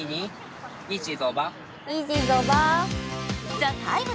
「ＴＨＥＴＩＭＥ，」